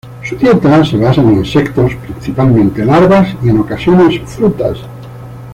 Su dieta se basa en insectos, principalmente larvas, y en ocasiones frutas.